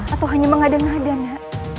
atau hanya mengadang adang ya